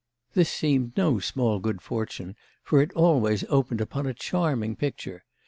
This seemed no small good fortune, for it always opened upon a charming picture.